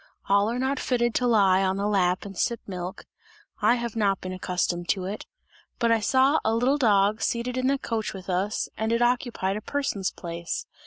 All are not fitted to lie on the lap and sip milk, I have not been accustomed to it; but I saw a little dog seated in the coach with us and it occupied a person's place.